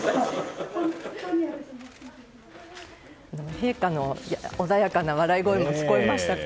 陛下の穏やかな笑い声も聞こえましたか。